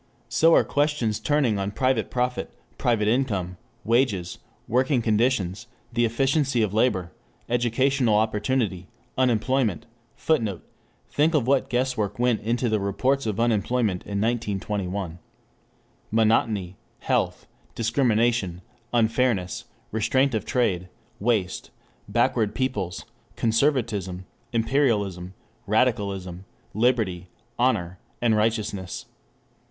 So are questions turning on private profit, private income, wages, working conditions, the efficiency of labor, educational opportunity, unemployment, [Footnote: Think of what guess work went into the Reports of Unemployment in 1921.] monotony, health, discrimination, unfairness, restraint of trade, waste, "backward peoples," conservatism, imperialism, radicalism, liberty, honor, righteousness.